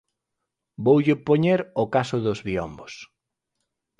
Voulle poñer o caso dos biombos.